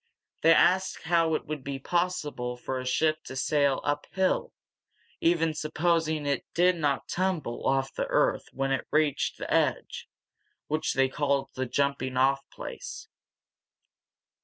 They asked how it would be possible for a ship to sail uphill, even supposing it did not tumble off the earth when it reached the edge, which they called the jumping off place.